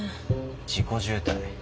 事故渋滞。